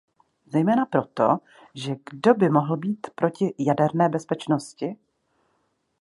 Zejména proto, že kdo by mohl být proti jaderné bezpečnosti?